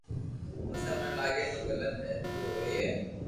پسي مني لاگي تو غلط ھي تو ھوئي